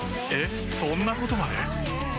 えっそんなことまで？